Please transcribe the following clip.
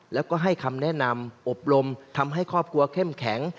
แล้วก็ให้คำแนะนำอบรมทำให้ครอบครัวเข้มแข็ง